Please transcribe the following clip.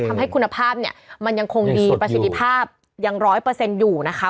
ทำให้คุณภาพเนี่ยมันยังคงดีประสิทธิภาพยัง๑๐๐อยู่นะคะ